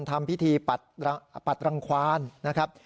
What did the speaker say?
ทำพิธีปัดรังควานนะครับ